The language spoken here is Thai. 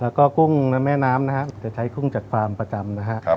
แล้วก็กุ้งในแม่น้ำนะครับจะใช้กุ้งจากฟาร์มประจำนะครับ